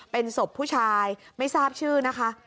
เป็นศพผู้ชายไม่ทราบชื่อนะคะ